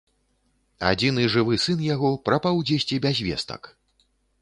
Адзіны жывы сын яго прапаў дзесьці без вестак!